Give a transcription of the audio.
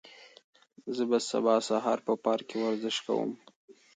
زه به سبا سهار په پارک کې ورزش کوم.